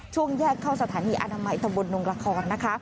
ช่วงแยกเข้าสถานีอาณาไมทะบนดงรคร